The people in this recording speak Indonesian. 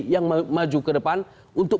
yang maju ke depan untuk